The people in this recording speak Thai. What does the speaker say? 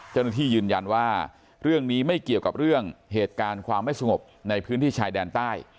เจ้าหน้าที่ยืนยันว่าเรื่องนี้ไม่เกี่ยวกับเรื่องเหตุการณ์ความไม่สงบในพื้นที่ชายแดนใต้